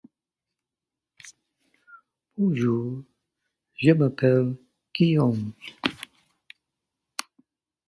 It slid down to no.